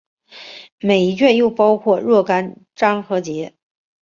每一卷又包括若干章和节。